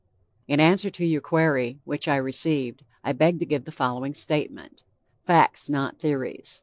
"In answer to your query, which I received, I beg to give the following statement. Facts, not theories.